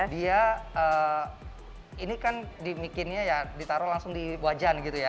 dia ini kan dibikinnya ya ditaruh langsung di wajan gitu ya